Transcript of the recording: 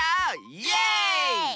イエーイ！